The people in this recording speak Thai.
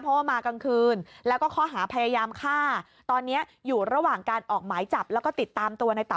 เพราะว่ามากลางคืนแล้วก็ข้อหาพยายามฆ่า